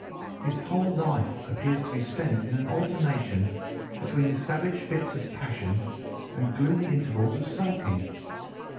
His whole life appears to be spent in an alternation between savage fits of passion and gloomy intervals of sulking.